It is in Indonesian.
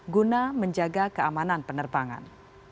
guna menjaga keamanan penerbangan